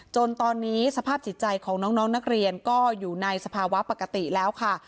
จนตอนนี้สภาพจิตใจของน้องนักเรียนก็อยู่ในสภาวะปกติแล้วค่ะ